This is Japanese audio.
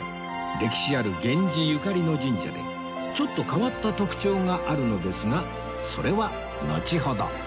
歴史ある源氏ゆかりの神社でちょっと変わった特徴があるのですがそれはのちほど